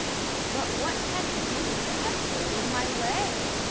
"But what can it be that has hold of my leg?"